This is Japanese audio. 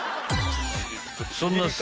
［そんな］